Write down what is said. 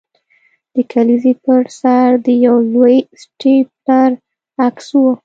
د کلیزې پر سر د یو لوی سټیپلر عکس و